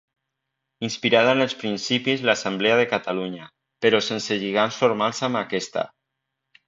Inspirada en els principis l’Assemblea de Catalunya però sense lligams formals amb aquesta.